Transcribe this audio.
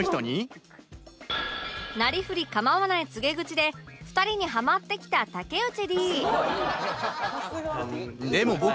なりふり構わない告げ口で２人にハマってきた武内 Ｄ